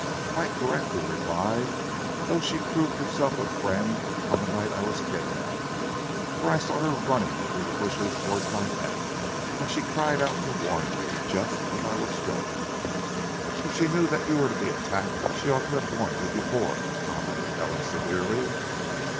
"Quite correct," he replied. "Though she proved herself a friend on the night I was kidnapped, for I saw her running through the bushes towards my tent, and she cried out to warn me, just as I was struck." "If she knew that you were to be attacked she ought to have warned you before," commented Helen severely.